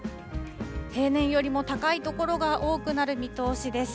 平年よりも高い所が多くなる見通しです。